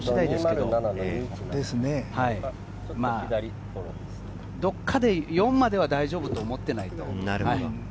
どこかで４までは大丈夫と思っていないと。